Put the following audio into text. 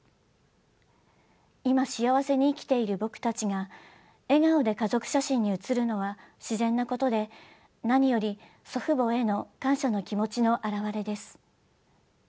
「今幸せに生きている僕たちが笑顔で家族写真に写るのは自然なことで何より祖父母への感謝の気持ちの表れです」。